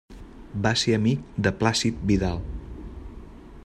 Va ser amic de Plàcid Vidal.